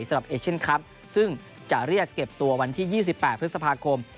เอเชียนคลับซึ่งจะเรียกเก็บตัววันที่๒๘พฤษภาคม